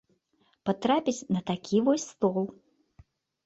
Патрапіць на такі вось стол.